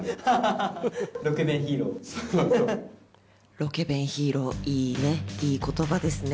ロケ弁ヒーロー、いいね、いい言葉ですね。